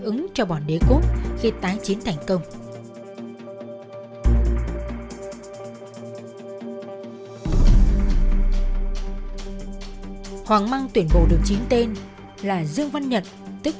ứng cho bọn đế cốt khi tái chiến thành công hoàng măng tuyển bộ được chính tên là dương văn nhật tức